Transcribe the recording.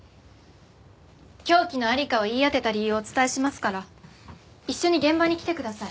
凶器の在りかを言い当てた理由をお伝えしますから一緒に現場に来てください。